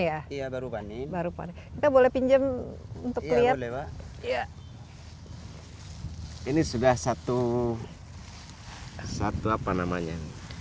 ya iya baru panen baru panen kita boleh pinjam untuk lihat ya ini sudah satu satu apa namanya